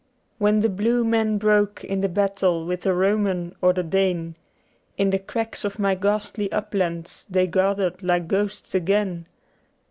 When the blue men broke in the battle with the Roman or the Dane, In the cracks of my ghastly uplands they gathered like ghosts again.